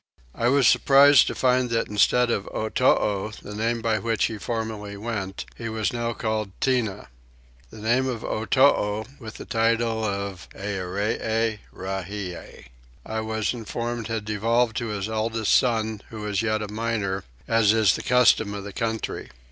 I was surprised to find that instead of Otoo, the name by which he formerly went, he was now called Tinah. The name of Otoo, with the title of Earee Rahie, I was informed had devolved to his eldest son who was yet a minor, as is the custom of the country.